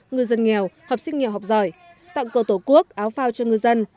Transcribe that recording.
ngư dân nghèo học sinh nghèo học giỏi tặng cơ tổ quốc áo phao cho ngư dân